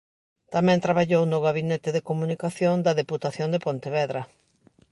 Tamén traballou no gabinete de comunicación da Deputación de Pontevedra.